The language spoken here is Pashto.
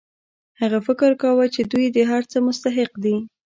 هغه فکر کاوه چې دوی د هر څه مستحق دي